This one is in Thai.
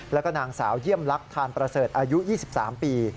แล้วก็นางสาวเยี่ยมลักษณ์ประเสริฐอายุ๒๓ปี